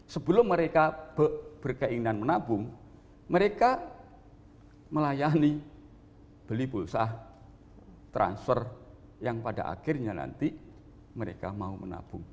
sebelum mereka berkeinginan menabung mereka melayani beli pulsa transfer yang pada akhirnya nanti mereka mau menabung